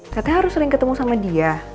katanya harus sering ketemu sama dia